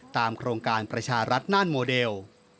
โครงการประชารัฐน่านโมเดล